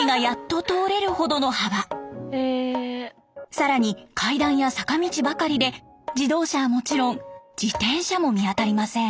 更に階段や坂道ばかりで自動車はもちろん自転車も見当たりません。